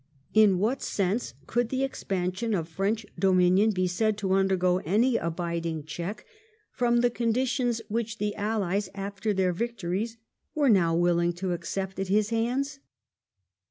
In what sense could the expansion of French dominion be said to undergo any abiding check from the conditions which the Allies, after all their victories, were now willing to accept at his hands